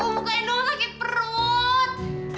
buka hindung sakit perut